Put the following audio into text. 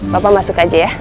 bapak masuk aja ya